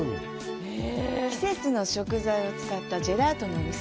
季節の食材を使ったジェラートのお店。